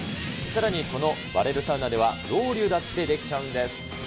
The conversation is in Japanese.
さらにこのバレルサウナでは、ロウリュウだってできちゃうんです。